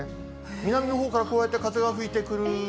南のほうからこうやって風が吹いてくるー。